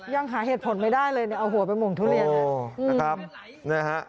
ยังหาเหตุผลไม่ได้เลยเอาหัวไปมงทุเรียน